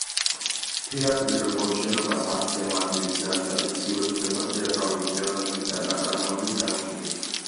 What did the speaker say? თეატრი, როგორც შენობა, სასცენო ადგილი, სადაც ტრადიციულად ხდება თეატრალური ხელოვნების ნაწარმოების წარმოდგენა.